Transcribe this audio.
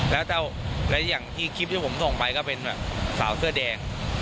แล้วอย่างที่คลิปที่ผมส่งไปก็เป็นแบบสาวเสื้อแดง